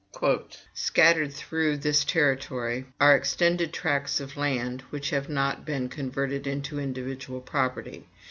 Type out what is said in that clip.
"Scattered through this territory are extended tracts of land, which have not been converted into individual property.